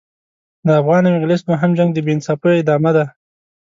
د افغان او انګلیس دوهم جنګ د بې انصافیو ادامه ده.